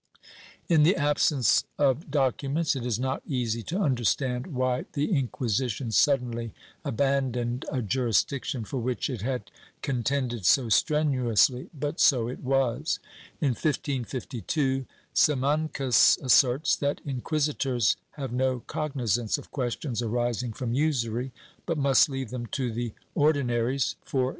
® In the absence of documents, it is not easy to understand why the Inquisition suddenly abandoned a jurisdiction for which it had contended so strenuously, but so it was. In 1552, Simancas asserts that inquisitors have no cognizance of questions arising from usury, but must leave them to the Ordinaries, for usurers ^ Pragmaticas etc.